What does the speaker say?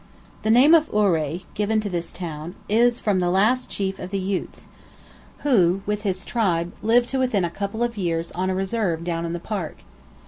The name of Ouray, given to this town, is from the last chief of the Utes, who, with his tribe, lived to within a couple of years on a reserve down in the Park.